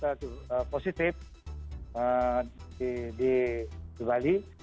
kalau misalnya positif di bali